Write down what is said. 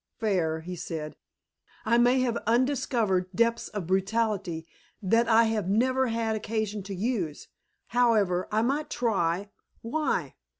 "Fair," he said. "I may have undiscovered depths of brutality that I have never had occasion to use. However, I might try. Why?"